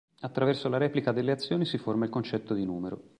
Attraverso la replica delle azioni si forma il concetto di numero.